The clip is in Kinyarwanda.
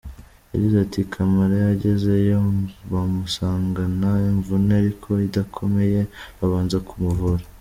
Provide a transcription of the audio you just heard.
Yagize ati “Camara yagezeyo bamusangana imvune ariko idakomeye babanza kumuvura.